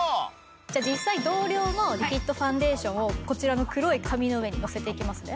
じゃあ実際同量のリキッドファンデーションをこちらの黒い紙の上にのせていきますね。